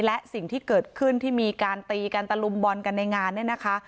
และสิ่งที่เกิดขึ้นที่มีการตีกันตะลุมบอลกันในงานเนี่ยนะคะ